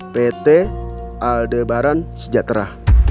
p t aldebaran sejahtera